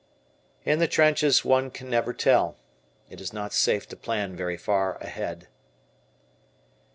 In the trenches one can never tell, it is not safe to plan very far ahead.